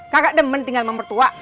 kagak demen tinggal sama mba tua